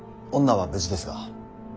女は無事ですが。